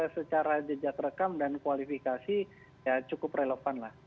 secara jejak rekam dan kualifikasi ya cukup relevan lah